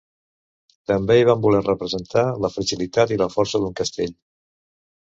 També hi va voler representar la fragilitat i la força d'un castell.